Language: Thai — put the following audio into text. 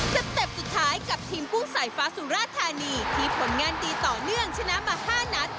เต็ปสุดท้ายกับทีมกู้สายฟ้าสุราชธานีที่ผลงานดีต่อเนื่องชนะมา๕นัด